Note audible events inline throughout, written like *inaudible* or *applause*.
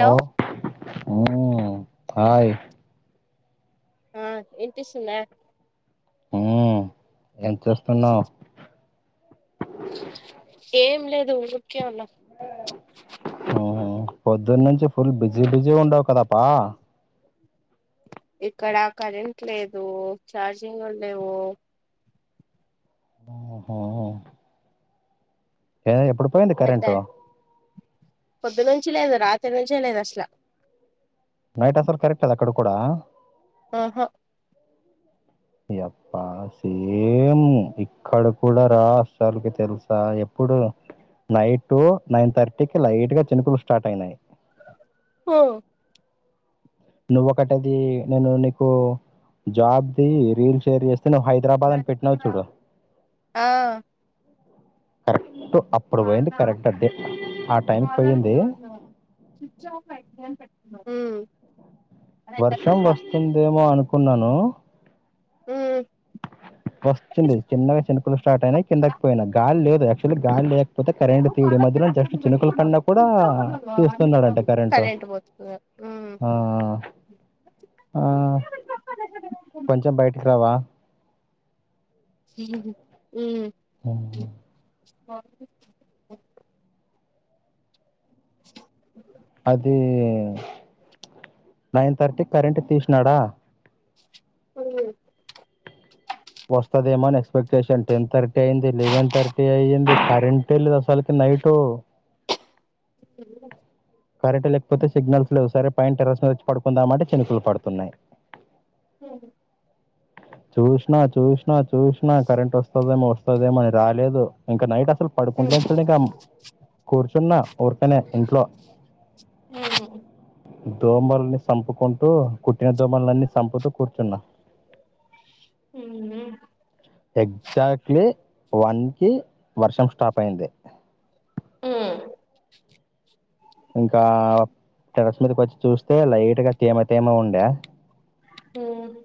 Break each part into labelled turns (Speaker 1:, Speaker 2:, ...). Speaker 1: ఓ ఊ హాయ్
Speaker 2: ఆ ఇన్పిస్తుదండ్
Speaker 1: ఆ ఏం చేస్తున్నావ్
Speaker 2: ఏం లేదు ఉర్కే ఉన్నాం
Speaker 1: పొద్దున్న నుంచి ఫుల్ బిజీ బిజీ ఉండవు కదా పా
Speaker 2: ఇక్కడ కరెంట్ లేదు, చార్జింగుల్ లేవు.
Speaker 1: మోహో ఏ ఎప్పుడు పోయింది
Speaker 2: పెద్ద
Speaker 1: కరెంటు
Speaker 2: చీ లేదు రాత్రి నుంచే లేదు అసలు
Speaker 1: నైట్ అసలు కరెక్ట్ అక్కడ కూడా
Speaker 2: ఆహా
Speaker 1: ఇగా అప్పా సేమ్ ఇక్కడ కూడా రా అసల్కీ తెలుసా ఎప్ ఇప్పుడు నైట్ నైన్ థర్టీకిి లైట్ గా చినుకులు స్టార్ట్ అయినై.
Speaker 2: ఓ
Speaker 1: నువ్ ఒకట అది నను నీకు జాబ్ది రీల్ షేర్ చేస్త్ తిన్ను హైద్రాబాద్ అని పెట్టినావు చూడు
Speaker 2: ఆ
Speaker 1: కరెట్టు అప్పుడు
Speaker 2: మా
Speaker 1: వోయింది
Speaker 2: అన్న
Speaker 1: కరెక్ట్ అంటే ఆ టైంక్
Speaker 2: కాలర్కి
Speaker 1: పోయింది.
Speaker 2: స్విచ్ ఆఫ్ అయితదని పెట్టుకున్నావ్
Speaker 1: వర్షం వస్తుందేమో అనుకున్నాను.
Speaker 2: ఉహు్
Speaker 1: వస్తుంది. చిన్నగా చినుకులు స్టార్ట్ అయినై కిందక్ పోయినా గాలి లేదు యాక్చువల్లీ గాల్ లేక్ పోతే కరెంట్
Speaker 2: నువ్వు
Speaker 1: తీడి
Speaker 2: కాలర్కి
Speaker 1: మధ్యలో జస్ట్
Speaker 2: అట్లాంటివి
Speaker 1: చినుకల
Speaker 2: పెట్టుకున్నావ్
Speaker 1: పడిన కూడా
Speaker 2: స్విచ్ ఆఫ్ అని
Speaker 1: తీస్తున్నాడంట
Speaker 2: పెట్టావు,
Speaker 1: కరెంటు.
Speaker 2: కరెంట్ పోతుంది
Speaker 1: ఆఆ ఆ ఆ
Speaker 2: ఉమ్
Speaker 1: కొంచెం బయటికి రావా.
Speaker 2: సిహివు
Speaker 1: మోహో
Speaker 2: మాకుపి ఏంలే
Speaker 1: అది నైన్ థర్టీక్ కరెంట్ తిష్ణడా.
Speaker 2: ఉహో
Speaker 1: రొకేచన్ టెన్ థర్టీ అయింది. లెవెన్ థర్టీ అయింది కరెంటే లేదు అసలకి నైటు.
Speaker 2: చేపినన్
Speaker 1: కరెంటే లేకపోతే సిగ్నల్స్ లేవ్ సరే పైన టెరస్ మీద వచ్చి పడుకుందాం అంటే చినుకలు పడుతున్నాయ్.
Speaker 2: దేహి
Speaker 1: చూష్నా చూష్నా చూష్నా కరెంట్ వస్తదేమో వస్తదేమో అని రాలేదు ఇంకా నైట్ అస్ అసలు పడుకుంటా చుడు ఇక కూర్చున్నా ఉర్కానే ఇంట్లో దోమల్ని చంపుకుంటూ కుట్టిన దోమలులన్నీ సంపుతూ కూర్చున్న
Speaker 2: ఉహు
Speaker 1: ఎగ్జాక్ట్లీ వన్ కి వర్షం స్టాప్ అయింది
Speaker 2: ఆ
Speaker 1: ఇంకా టెరస్ మీదకి వచ్చి చూస్తే లైట్ గా తేమ తేమ ఉండే
Speaker 2: మ్మ్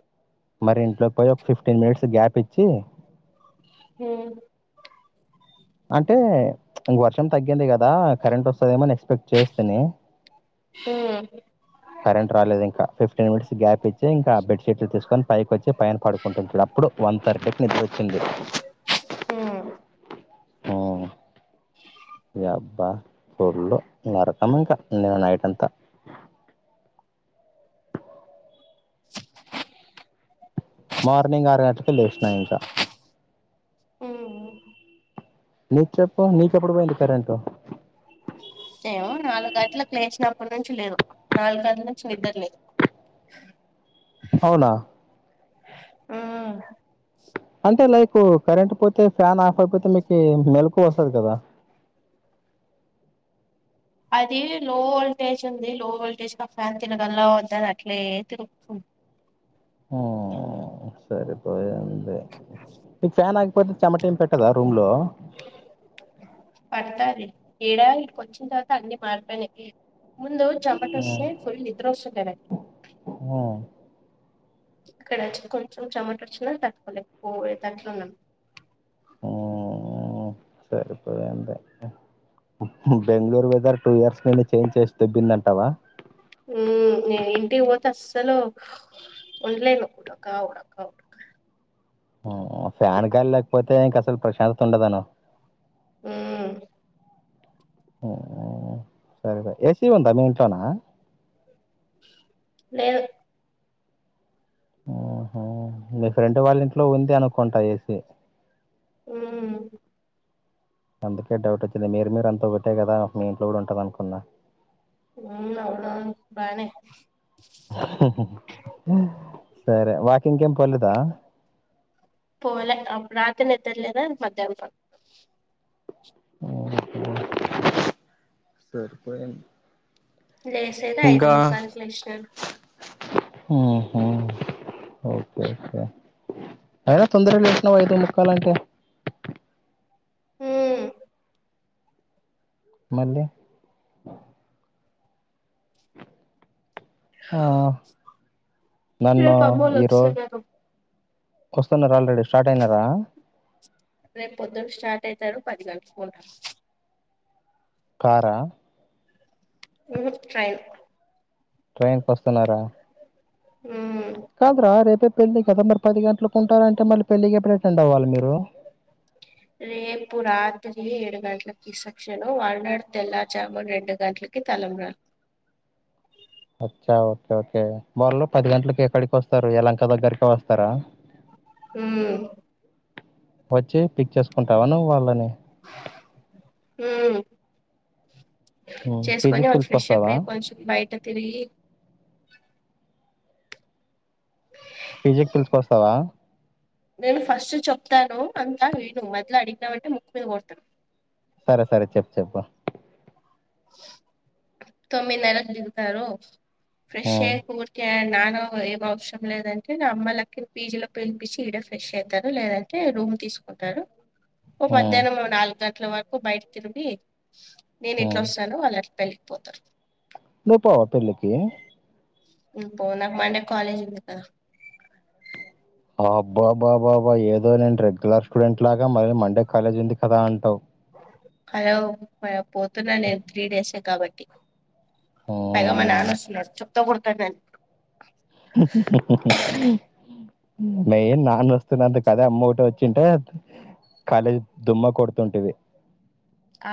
Speaker 1: మరి ఇంట్లోకి పోయి ఒక ఫిఫ్టీన్ మినిట్స్ గ్యాప్ ఇచ్చి
Speaker 2: హ
Speaker 1: అంటే వర్షం తగ్గింది కదా కరెంట్ వస్తుందేమోని ఎక్స్పెక్ట్ చేస్తేంది కరెంట్ రాలేదు ఇన్ టెన్ మనిట్స్ గ్యాప్ ఇంకా బెడ్షట్లు తీసుకని పైకి వచ్చి పైన పడుకుంటుంది అప్పుడు వన్ థర్టీకి నిద్ర వచ్చింది ఆ ఇగ అబ్బా ఫుల్లు నరకము ఇంకా నైట్ అంతా మార్నింగ్ ఆర గంటలకే లేచినా ఇంకా నీది చెప్పు నీకు ఎప్పుడు పోయింది కరెంట్
Speaker 2: ఏమో నాలుగు గంటలకు లేచినప్పటి నుంచి లేదు నాలుగు గంటల నుంచి నిద్దర లేదు
Speaker 1: అవునా
Speaker 2: ఆ
Speaker 1: అంటే లైక్ కరెంట్ పోతే ఫ్యాన్ ఆఫ్ అయిపోతే మీకు మెలకువ వస్తది కదా
Speaker 2: అది లో వోల్టేజ్ ఉంది లో వోల్టేజ్గా ఫ్యాన్ తిరగలా వద్ద అని అట్లే తిరుగుతుంది
Speaker 1: ఆ సరిపోయింది ఇ ఫ్యాన్ పోతే చెమట ఏం పెట్టదా రూమ్ లో
Speaker 2: పడతంది ఇడా ఇక వచ్చిన తర్వాత అన్ని మార్తనే ముందు చమాట
Speaker 1: ఉమ్
Speaker 2: వస్తే ఫుల్ నిద్ర వస్తది ఇక్కడ వచ్చ కొంచెం చమట వచ్చిన తట్టుకోలే ఎక్కుపోయే అట్ల ఉన్నాము
Speaker 1: ఉమ్ సరిపోయింది బెంగళూరు వెదర్ టూ ఇయర్స్ మీద చేంజ్ చేసి దెబ్బిందంటావా
Speaker 2: ఉమ్ నేను ఇంటి పోతే అస్సలు ఉండలేను కూడా కావుడా కావు
Speaker 1: ఫ్యాన్ కాడా లేకపోతే ఇంకా అసలు ప్రశాంతత ఉండదను
Speaker 2: ఆ
Speaker 1: ఉమ్ సరే సరే ఏసి ఉందా మీ ఇంట్లోన
Speaker 2: లేదు
Speaker 1: ఆహ మీ ఫ్రెండ్ వాళ్ళ ఇంట్లో ఉంది అనుకుంటా ఏసి
Speaker 2: అ
Speaker 1: అందుకే డౌట్ వచ్చింది మీరు మీరు అంత ఒకట్టే కదా మీ ఇంట్లో కూడా ఉంటంది అనుకున్న
Speaker 2: ఉమ్ అవును అవును బానే
Speaker 1: సరే వాకింగ్ కి ఏం పోలేదా
Speaker 2: పోలే అప్పుడు రాత్రి నిద్ర లేదా మధ్యాహ్నము పడుకున్న
Speaker 1: సరిపోయింది
Speaker 2: లేసేదే ఐదు ముక్కాల కీ లేసినను
Speaker 1: ఉమ్ ఉమ్ ఓకే ఓకే అయినా సుందర లేషనవ ఐదు ముక్కాలకే
Speaker 2: హ్మ్
Speaker 1: మళ్ళే ఆ నన్ను
Speaker 2: రేపు అమ్మోళ్ళు
Speaker 1: ఈరోజు
Speaker 2: వస్తున్నారు
Speaker 1: వస్తున్నా ఆల్రెడీ స్టార్ట్ అయినా రా
Speaker 2: రేపు పొద్దున స్టార్ట్ అవుతారు పది గంటలకు ఉంటారు
Speaker 1: కారా
Speaker 2: ఉమ్ ట్రైన్
Speaker 1: ట్రైన్ కి వస్తున్నారా
Speaker 2: హ్మ్
Speaker 1: కాదరా రేపే పెళ్లి గదమ్ మరి పది గంటలకు ఉంటారంటే మళ్ళీ పెళ్లిగ టెండ్ అవ్వాలి మీరు
Speaker 2: రేపు రా తిరిగి ఏడు గంటలకి సెక్షను వాల్నాడు తెల్లాజామున్ రెండు గంటలకి తలంబ్రారాలు
Speaker 1: అచ్చా ఓకే ఓకే వాళ్లు పది గంటలకు ఎక్కడికి వస్తారు ఎలంక దగ్గరక వస్తారా
Speaker 2: ఉమ్
Speaker 1: వచ్చి పిక్ చేసుకుంటావా వాళ్ళని
Speaker 2: హ్మ్ చేసుకొని
Speaker 1: పీజీకి
Speaker 2: వాళ్ళు ఫ్రెష్ అప్
Speaker 1: పిలుచుకొస్తావా
Speaker 2: అయ్యి కొంచెం బయట తిరిగి
Speaker 1: *unintelligible* కొస్తావా
Speaker 2: నేను ఫస్ట్ చెప్తాను అంతా విను మధ్యలో అడిగినావంటే ముక్కు కొడతా
Speaker 1: సరే సరే చెప్పు చెప్పు
Speaker 2: తొమ్మిది నరకీ దిగుతారు ఫ్రెష్
Speaker 1: ఉమ్,
Speaker 2: ఊరికే నాన్న ఏం అవసరం లేదంటే అమ్మ లకి పీజీ లో పిలిపించి ఈడే ఫ్రెష్ అవుతారు లేదంటే రూమ్ తీసుకుంటారు ఓ
Speaker 1: ఉమ్,
Speaker 2: మధ్యాహ్నం నాలుగు గంటల వరకు బయట తిరిగి నేను ఇట్లా
Speaker 1: ఉమ్.
Speaker 2: వస్తాను వాళ్లు అట్లా వెళ్ళిపోతారు
Speaker 1: ద పావా పెళ్లికి
Speaker 2: నేను పో నా కాలేజీకి పోతున్న
Speaker 1: అబ్బాబా బాబా ఏదో నేను రెగ్యులర్ స్టూడెంట్ లాగా మళ్ళీ మండే కాలేజ్ ఉంది కదా అంటావు
Speaker 2: హలో పోతున్నా నేను త్రీ డేసే కాబట్టి పైగా
Speaker 1: ఉమ్,
Speaker 2: నానొస్తున్నారు చెప్పుతో కొడతారు నన్ని
Speaker 1: మెయిన్ నాన్న వస్తున్నంత కదా అమ్మ ఒకటి వచ్చింటే కాలేజ్ దుమ్మ కొడుతుంటవి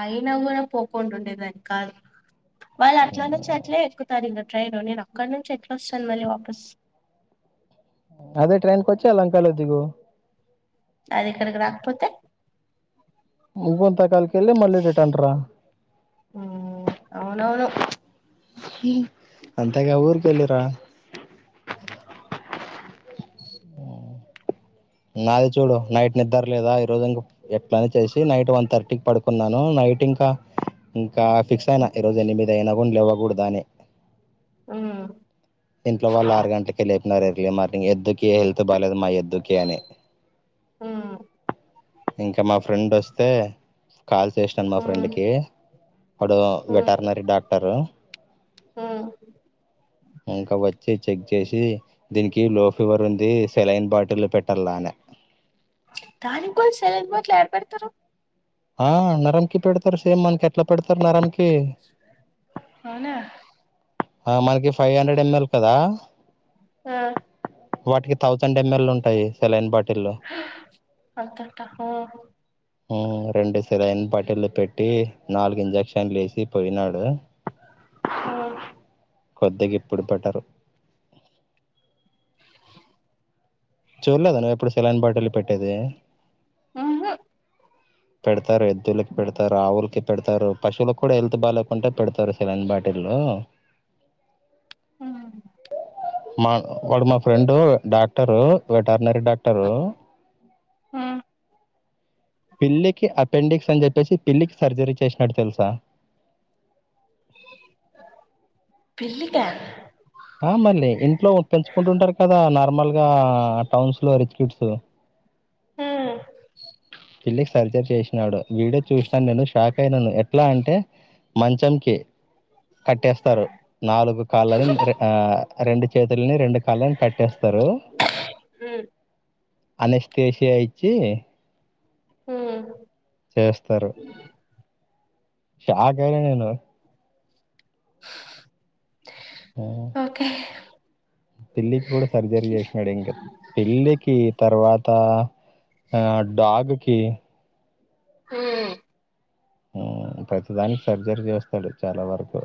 Speaker 2: అయినా కూడా పోకుండా ఉండేదానికి కాదు వాళ్ళు అట్లా నుంచి అట్లే ఎక్కుతారు ఇంక ట్రైన్ నేను అక్కడి నుంచి ఎట్లా వస్తాను మరి వాపస్
Speaker 1: అదే ట్రైన్ కి వచ్చి వాళ్ళ వెనకాలే దిగు
Speaker 2: అది ఇక్కడికి రాకపోతే
Speaker 1: ముగంతా కాల కెళ్ళి మళ్లీ రిటర్న్ రా
Speaker 2: మ్మ్ అవునవును
Speaker 1: అంత ఇగ ఊరికి వెళ్లిరా
Speaker 2: అ
Speaker 1: నాదే చూడు నైట్ నిద్ర లేదా ఈ రోజు ఇంకా ఎట్లని చేసి నైట్ వన్ థర్టీకి పడుకున్నాను నై ఏంటి ఇంకా ఇంకా ఫిక్స్ అయినా ఈ రోజు ఎన్ని మీద అయినా కూడా లేవ కూడాదా అని
Speaker 2: ఆ
Speaker 1: ఇంట్లో వాళ్ళ ఆరు గంటలకి వెళ్ళ అపోయిన్నారుారు ఎర్లీ మార్నింగ్ ఎదుకి హెల్త్ బాాలలేదు మా *unintelligible* దుకే అని
Speaker 2: మ్మ్
Speaker 1: ఇంకా మా ఫ్రెండ్ వస్తే కాల్ చేసినాను మా
Speaker 2: మ్మ్
Speaker 1: ఫ్రెండ్కి అడు వెటర్నరీ డాక్టరు
Speaker 2: ఉం
Speaker 1: ఇంకా వచ్చి చెక్ చేసి దీనికి లో ఫివర్ ఉంది సెలైన్ బాటిల్ పెట్ట
Speaker 2: దానికి కూడా సెలైన్ బాటిల్ ఎడ పేడతారు
Speaker 1: ఆ నరమ్కి పెడతారు సేమ్ మనకి ఎట్లా పెడతారు నరమకి
Speaker 2: అవునా
Speaker 1: ఆ మనకి ఫైవ్ హండ్రెడ్ ఎంఎల్ కదా
Speaker 2: ఆ
Speaker 1: వాటికి థౌజండ్ ఎంఎల్ ఉంటాయి సెలైన్ బాట్
Speaker 2: హా అంతటా
Speaker 1: ఉం రెండు సెలైన్ బాటిళ్లు పెట్టి నాలుగు ఇంజక్షన్ లేసి పోయినాడు
Speaker 2: ఆ
Speaker 1: కొదిగా ఇప్పుడు బెటరు చూడలేదా నువ్వు ఎప్పుడు సెలైన్ బాటిలు పెట్టేది
Speaker 2: ఆహా
Speaker 1: పెడతారు ఎద్దులకి పెడతారు ఆవులకి పెడతారు పశులు కూడా వెళ్ హెల్త్ బాలేకుంటే పెడతారు సెలైన్ బాటిళ్లు
Speaker 2: మ్మ్
Speaker 1: మా వాడు మా ఫ్రెండు డాక్టరు వెటర్నరీ డాక్టరు
Speaker 2: ఆ
Speaker 1: పిల్లికి అపెండిక్స్ అని చెప్పేసి పిల్లికి సర్జరీ చేసినట్టు తెలుసా
Speaker 2: పిల్లిక
Speaker 1: ఆ మళ్ళీ ఇంట్లో పెంచుకుంటుంటారు కదా నార్మల్ గా టౌన్స్ లో రిచ్ కిడ్స్
Speaker 2: ఆ
Speaker 1: పిల్లికి సర్జరీ చేసినాడు వీడియో చూసినాను నేను షాక్ అయినను ఎట్లా అంటే మంచంకి కట్టేస్తారు నాలుగు కాళ్ళని రెండు చేతుల్ని రెండు కాల్లను కట్టేస్తారు
Speaker 2: మ్మ్
Speaker 1: అనెస్టేషి యా ఇచ్చి
Speaker 2: ఉం
Speaker 1: చేస్తారు షాక్ అయిన నేను ఆ
Speaker 2: ఓకే
Speaker 1: పిల్లికి కూడా సర్జరీ చేసినాడు ఇంకా పిల్లికి తర్వాత ఆ డాగ్కి
Speaker 2: ఉం
Speaker 1: ఉం ప్రతి దానికి సర్జరీ చేస్తాడు చాలా వరకు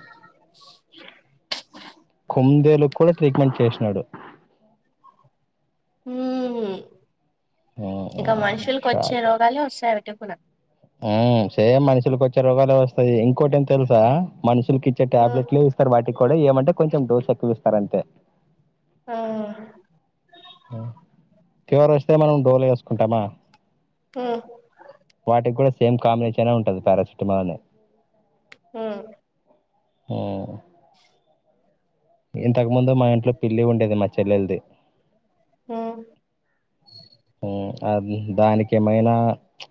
Speaker 1: కుందేలు కూడా ట్రీట్మెంట్ చేసినాడు
Speaker 2: ఉం ఇక
Speaker 1: ఉమ్,
Speaker 2: మనుషులకు వచ్చే
Speaker 1: షాక్
Speaker 2: రోగాలే వస్తాయట కుడా
Speaker 1: ఉం సేమ్ మనుషులకి వచ్చే రోగాలు వస్తాది ఇంకోటి ఏం తెలుసా మనుషు మనుషులు కి ఇచ్చే టాబ్లెట్లు
Speaker 2: మ్మ్
Speaker 1: ఇస్తారు వాటికి కూడా ఏమంటే కొంచెం డోస్ ఎక్కువ ఇస్తారు అంతే
Speaker 2: ఆ
Speaker 1: ఆ క్యూర్ వస్తే మనం డోలు ఏసుకుంటామా.
Speaker 2: ఉమ్
Speaker 1: వాటికి కూడా సేమ్ కాంబినేషన్ ఉంటది పారాసిటమాల్.
Speaker 2: ఉమ్
Speaker 1: హుమ్మ్ ఇంతకుముందే మా ఇంట్లో పిల్లి ఉండేది మా చెల్లెల్ది.
Speaker 2: ఉమ్
Speaker 1: ఉమ్ అది దానికి ఏమైనా,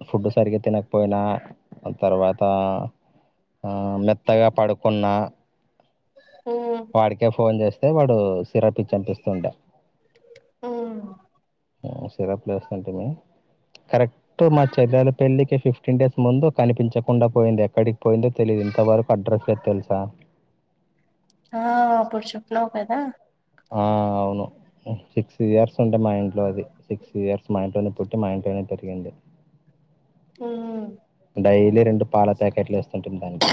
Speaker 1: ఫుడ్డు సరిగ్గా తినకపోయినా అది తర్వాత, ఆ మెత్తగా పడుకున్న
Speaker 2: మ్మ్
Speaker 1: వాడికే ఫోన్ జేస్తే, వాడు సిరప్ ఇచ్చి *unintelligible*
Speaker 2: ఉమ్
Speaker 1: ఉమ్, సిరప్ లేస్తుంటిమి. కరెక్ట్ మా చెల్లెలి పెళ్ళికి ఫిఫ్ ఫిఫ్టీన్ డేస్ ముందు కనిపించకుండా పోయింది. ఎక్కడికి పోయిందో తెలియదు ఇంతవరకు అడ్రస్ లేద్ తెల్సా.
Speaker 2: ఆ అప్పుడు చెప్పినవ్ కదా.
Speaker 1: ఆ అవును, సిక్స్ ఇయర్స్ ఉండే మా ఇంట్లో అది, సిక్స్ ఇయర్స్ మా ఇంట్లోనే పుట్టి, మా ఇంట్లోనే పెరిగింది.
Speaker 2: ఉమ్
Speaker 1: డైలీ రెండు పాల ప్యాకెట్లు ఎస్తుంటిమి దానికి.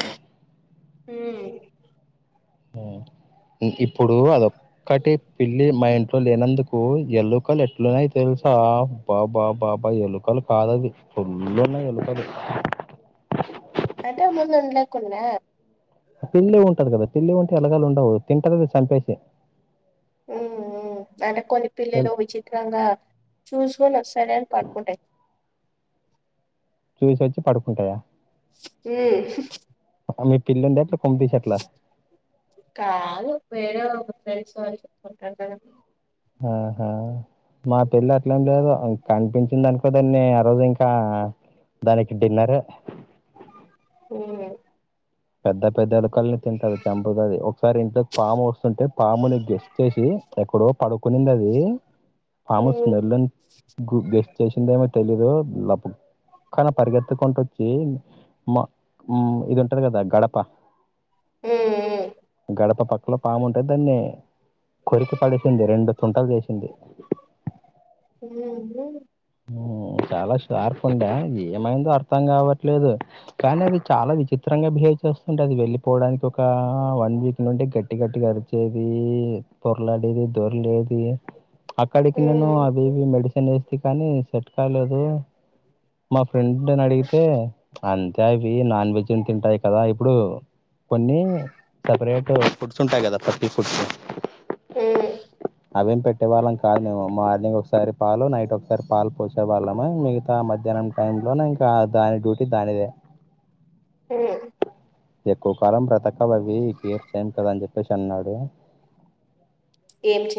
Speaker 2: హుమ్మ్
Speaker 1: ఆ ఇప్పుడు అదొక్కటి పిల్లి మా ఇంట్లో లేనందుకు, యల్లో కలర్ ఎట్లు *unintelligible* చా బాబా బాబా ఎలుకలు కాదవి, ఫులున్నాయి ఎలుకలు.
Speaker 2: అంటే ముందు ఉండలేకున్నే
Speaker 1: పిల్లి ఉంటాది కదా, పిల్లి ఉంటే ఎలుకలు ఉండవు తింటది, చంపేస్తది.
Speaker 2: ఉమ్, ఉమ్ అంటే కొన్ని పిల్లలు విచిత్రంగా చూసుకోని ఒకసారి అవి *unintelligible* కుంటాయి.
Speaker 1: చూసోచ్చి పడుకుంటాయా.
Speaker 2: ఉమ్
Speaker 1: అవి పిల్లల్ దాంట్లోక్
Speaker 2: కాదు వేరే ఫ్రెండ్స్ వాళ్లు చెప్పుకుంటా *unintelligible*
Speaker 1: ఆహా మా పిల్లి అట్లాంలే కాదు, అది కనిపించిందనుకో దాన్ని ఆ రోజు ఇంకా, దానికి డిన్నరే.
Speaker 2: ఉమ్మ్
Speaker 1: పెద్ద పెద్దాలు ఎలుకల్ని తింటది, చంపుతాది. ఒకసారి ఇంట్లోకి పాము అస్తుంటే, పాముని గెస్ చేసి ఎక్కడో పడుకోన్ ఉన్నది. పాము
Speaker 2: ఉమ్
Speaker 1: స్మెల్ ను *unintelligible* గెస్ చేసిందేమో తెలీదు లప్పుక్ క్కున పరిగెత్తుకుంటు వచ్చి, మా ఇది ఉంటది కదా గడప
Speaker 2: ఉమ్ ఉమ్
Speaker 1: ల పాము ఉంటే దాన్నీ కొరికి పడేసింది, రెండు తుంటలు చేసింది. *inaudible*
Speaker 2: ఉమ్మ్ హు.
Speaker 1: ఆ చాలా షార్ప్ ఉండే ఏమైందో అర్థం కావట్లేదు కానీ అది చాలా విచిత్రంగా బిహేవ్ వస్తుంట అది వెళ్ళిపోవడానికి ఒక వన్ వీక్ నుండి గట్టి గట్టి అరిచేది పోర్లాడేది పోర్లేది
Speaker 2: ఉమ్
Speaker 1: అక్కడికి నేను
Speaker 2: ఉమ్
Speaker 1: అవి మెడిసిన్ వేసి ఉమసెట్ కాలేదు మా ఫ్రెండ్ని అడిగితే అంత్ రావి నాన్ వెజ్ని తింటాయి కదా ఇప్పుడు కొన్ని సపరేట్ ఫుడ్స్ ఉంటాయి కదా ప్రతి ఫుడ్స్
Speaker 2: ఉ
Speaker 1: అవేం పెట్టేవాళ్ళం కాదు మేము మార్నింగ్ ఒకసారి పాలు నైట్ ఒకసారి పాలు పోసేవాళ్ళము మిగతా మధ్యాహ్నం టైం ట యంలో ఇంకా దాని డ్యూటీ దానిదే
Speaker 2: హూ
Speaker 1: ఎక్కువ కాలం బ్రతక అవి ఈ కేర్ చేన్ కదా అని చెప్పేసి అన్నాడు
Speaker 2: ఏం చెప్